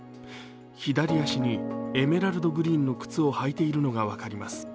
左足に、エメラルドグリーンの靴を履いているのが分かります。